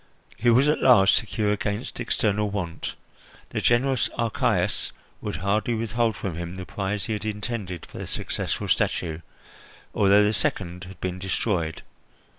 He was at least secure against external want; the generous Archias would hardly withhold from him the prize he had intended for the successful statue, although the second had been destroyed.